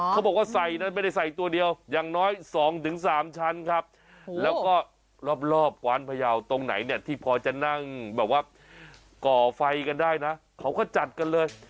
เขาบอกว่าใส่นั้นไม่ได้ใส่ตัวเดียวอย่างน้อย๒๓ชั้นครับแล้วก็รอบกวานพยาวตรงไหนเนี่ยที่พอจะนั่งแบบว่าก่อไฟกันได้นะเขาก็จัดกันเลย